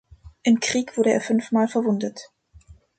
Im Krieg wurde er fünf Mal verwundet.